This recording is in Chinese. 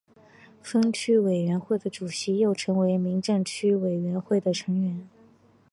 分区委员会的主席又成为民政区委员会的成员。